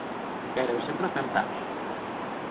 Gairebé sempre fem tard.